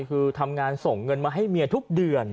คือทำงานส่งเงินมาให้เมียทุกเดือน